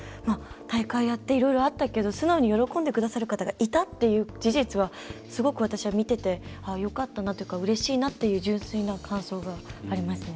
大会やって、いろいろあったけど素直に喜んでくださる方がいたっていう事実はすごく私は見ててよかったなというかうれしいなっていう純粋な感想がありますね。